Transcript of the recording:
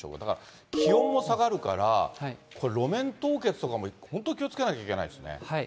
だから気温も下がるから、これ、路面凍結とかも本当、気をつけなきゃいけないですね。